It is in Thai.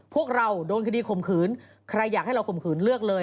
พวกเราโดนคดีข่มขืนใครอยากให้เราข่มขืนเลือกเลย